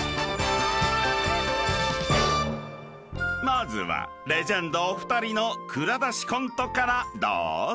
［まずはレジェンドお二人の蔵出しコントからどうぞ］